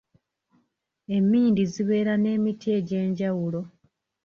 Emmindi zibeera n'emiti egy'enjawulo.